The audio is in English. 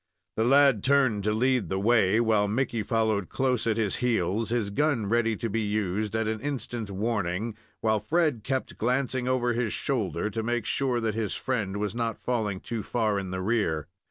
The lad turned to lead the way, while Mickey followed close at his heels, his gun ready to be used at an instant's warning, while Fred kept glancing over his shoulder, to make sure that his friend was not falling too far in the rear.